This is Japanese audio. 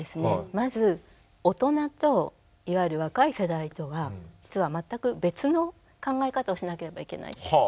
まず大人といわゆる若い世代とは実は全く別の考え方をしなければいけないっていう。